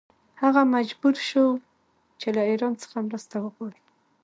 هغه مجبور شو چې له ایران څخه مرسته وغواړي.